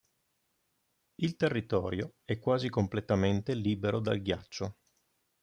Il territorio è quasi completamente libero dal ghiaccio.